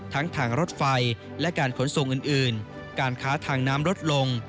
ทั้งทางรถไฟและการขนส่งอื่นการค้าทางน้ำลดลง